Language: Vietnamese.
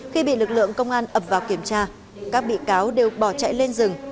khi bị lực lượng công an ập vào kiểm tra các bị cáo đều bỏ chạy lên rừng